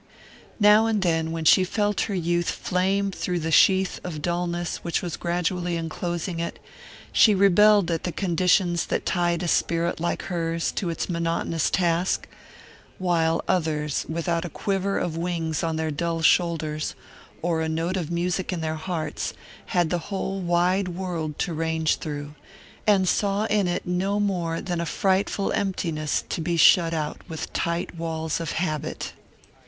Now and then, when she felt her youth flame through the sheath of dullness which was gradually enclosing it, she rebelled at the conditions that tied a spirit like hers to its monotonous task, while others, without a quiver of wings on their dull shoulders, or a note of music in their hearts, had the whole wide world to range through, and saw in it no more than a frightful emptiness to be shut out with tight walls of habit....